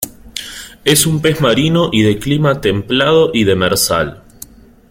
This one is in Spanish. Es un pez marino y de clima templado y demersal.